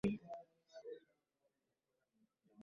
Iyo ni imyenda myiza wambaye